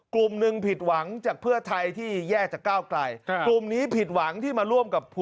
กลุ่มหนึ่งผิดหวังจากเพื่อไทยที่แยกจากก้าวไกล